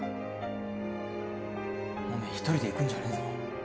おめえ一人で行くんじゃねえぞ。